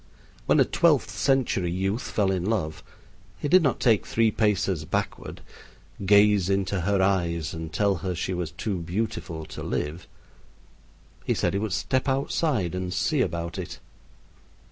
When a twelfth century youth fell in love he did not take three paces backward, gaze into her eyes, and tell her she was too beautiful to live. He said he would step outside and see about it.